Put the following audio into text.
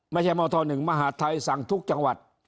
ไม่ใช่หมอท้อนึงมหาธัยสั่งทุกจังหวัด